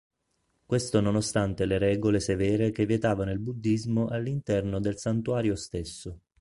Questo nonostante le regole severe che vietavano il buddismo all'interno del santuario stesso.